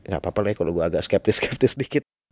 gapapa lah ya kalo gua agak skeptis skeptis sedikit